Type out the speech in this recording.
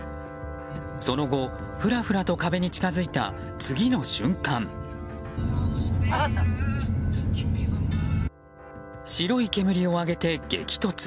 その後、ふらふらと壁に近づいた白い煙を上げて激突。